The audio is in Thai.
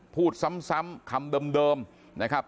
พูดซ้ำคำเดิมนะครับ